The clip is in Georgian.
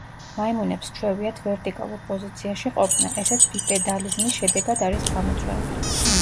მაიმუნებს სჩვევიათ ვერტიკალურ პოზიციაში ყოფნა, ესეც ბიპედალიზმის შედეგად არის გამოწვეული.